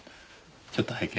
ちょっと拝見。